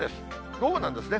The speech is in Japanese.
午後なんですね。